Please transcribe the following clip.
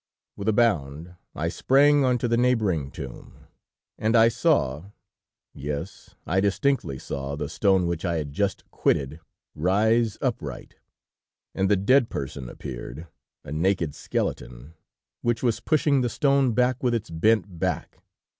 With a bound, I sprang on to the neighboring tomb, and I saw, yes, I distinctly saw the stone which I had just quitted, rise upright, and the dead person appeared, a naked skeleton, which was pushing the stone back with its bent back.